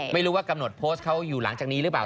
ไม่รู้ว่ากำหนดโพสต์เขาอยู่หลังจากนี้หรือเปล่า